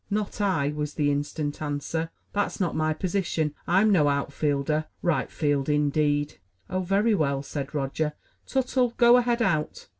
"Not I," was the instant answer. "That's not my position. I'm no outfielder. Right field, indeed!" "Oh, very well," said Roger. "Tuttle, go ahead out."